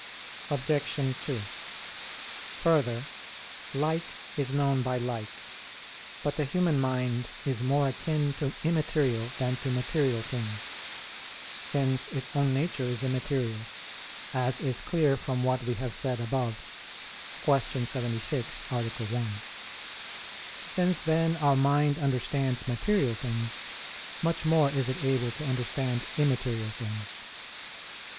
Obj. 2: Further, like is known by like. But the human mind is more akin to immaterial than to material things; since its own nature is immaterial, as is clear from what we have said above (Q. 76, A. 1). Since then our mind understands material things, much more is it able to understand immaterial things.